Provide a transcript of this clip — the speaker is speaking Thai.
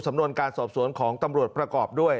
สำนวนการสอบสวนของตำรวจประกอบด้วย